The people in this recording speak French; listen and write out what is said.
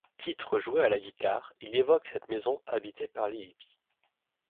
Titre joué à la guitare, il évoque cette maison habitée par les hippies.